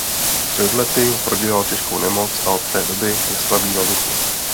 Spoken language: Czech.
Před lety prodělal těžkou nemoc a od té doby je slabý na duchu.